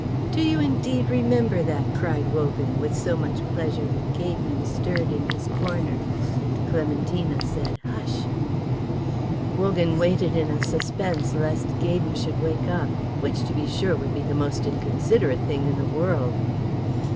"Do you indeed remember that?" cried Wogan, with so much pleasure that Gaydon stirred in his corner, and Clementina said, "Hush!" Wogan waited in a suspense lest Gaydon should wake up, which, to be sure, would be the most inconsiderate thing in the world.